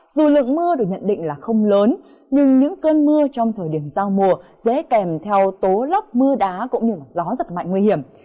dù lượng mưa được nhận định là không lớn nhưng những cơn mưa trong thời điểm giao mùa dễ kèm theo tố lốc mưa đá cũng như gió giật mạnh nguy hiểm